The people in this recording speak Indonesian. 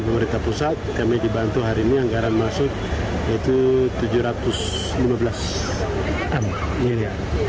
pemerintah pusat kami dibantu hari ini anggaran masuk itu rp tujuh ratus lima belas miliar